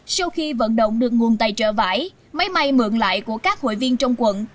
sau khi vận động được nguồn tài trợ vải máy may mượn lại của các hội viên trong quận